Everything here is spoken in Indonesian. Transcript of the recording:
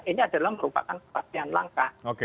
ini adalah merupakan kepastian langkah